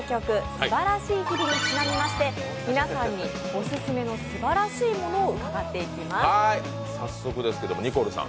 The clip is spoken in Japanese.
「すばらしい日々」にちなみまして、皆さんにオススメのすばらしいものを伺っていきます。